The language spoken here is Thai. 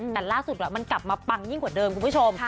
แต่ล่าสุดมันกลับมาปังยิ่งกว่าเดิมคุณผู้ชม